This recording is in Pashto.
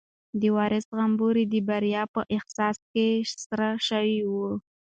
د وارث غومبوري د بریا په احساس کې سره شوي وو.